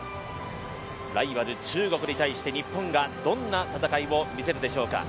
ライバル・中国に対して日本がどんな戦いを見せるでしょうか。